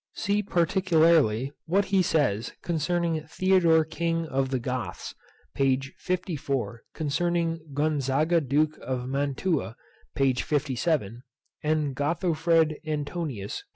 See particularly what he says concerning Theodore king of the Goths, p. 54, concerning Gonzaga duke of Mantua, p. 57, and Gothofred Antonius, p.